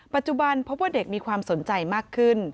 ปัจจุบันพวกเด็กมีความสนใจมากขึ้น